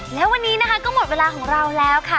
แล้ววันนี้นะคะก็หมดเวลาของเราแล้วค่ะ